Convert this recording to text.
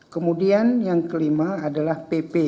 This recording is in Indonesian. kemudian yang kelima adalah pp